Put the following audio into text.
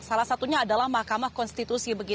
salah satunya adalah mahkamah konstitusi